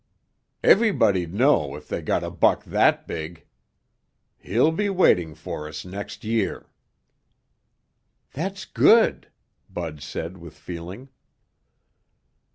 "Everybody'd know if they got a buck that big. He'll be waiting for us next year." "That's good!" Bud said with feeling.